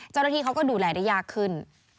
เจ้าหน้าที่เขาก็ดูแลได้ยากขึ้น